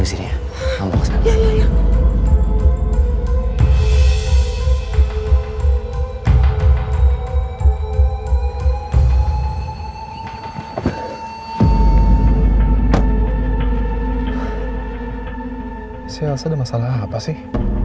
sial saya ada masalah apa sih